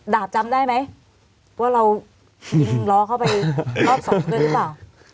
ดาบจำได้ไหมว่าเรายิงล้อเข้าไปรอบสองด้วยหรือเปล่า